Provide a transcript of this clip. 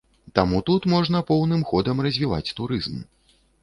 Таму тут можна поўным ходам развіваць турызм.